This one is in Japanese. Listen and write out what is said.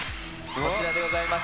こちらでございます。